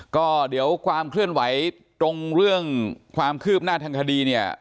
ก็เดี๋ยวความเคลื่อนไหวตรงเรื่องความคืบหน้าทางคดีเนี่ย